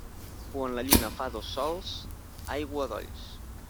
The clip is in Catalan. Quan la lluna fa dos sols, aigua a dolls.